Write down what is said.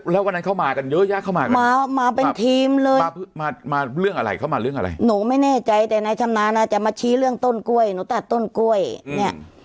แล้ววันนั้นเข้ามากันเยอะแยะเข้ามามาเป็นทีมเลยมามาเรื่องอะไรเข้ามาเรื่องอะไรหนูไม่แน่ใจแต่นายชำนาญอาจจะมาชี้เรื่องต้นกล้วยหนูตัดต้นกล้วยเนี้ย